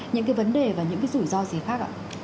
những cái vấn đề và những cái rủi ro gì khác ạ